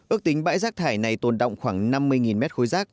ước tính bãi rác thải này tồn động khoảng năm mươi mét khối rác